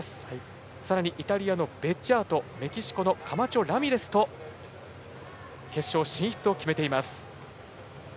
さらにイタリアのベッジャートメキシコのカマチョラミレスと決勝進出を決めています。